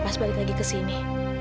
pas balik lagi kesini